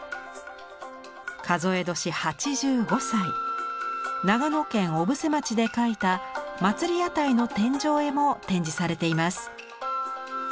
数え年８５歳長野県小布施町で描いた祭屋台の天井絵も展示されています。